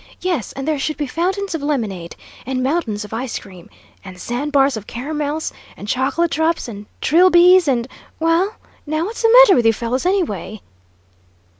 Yes, and there should be fountains of lemonade! And mountains of ice cream! And sandbars of caramels, and chocolate drops, and trilbies, and well, now, what's the matter with you fellows, anyway?"